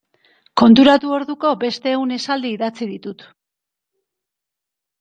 Konturatu orduko beste ehun esaldi idatzi ditut.